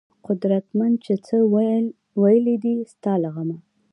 قدرمند چې څۀ وئيل دي ستا د غمه